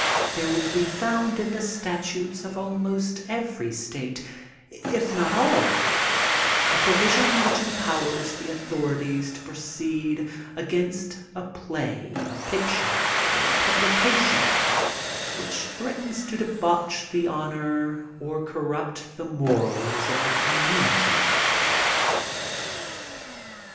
There will be found in the statutes of almost every State, if not all, a provision which empowers the authorities to proceed against a play, a picture or a publication which threatens to de bauch the honor or corrupt the morals of the com munity.